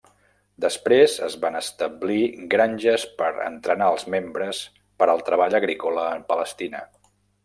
Després es van establir granges per entrenar als membres per al treball agrícola en Palestina.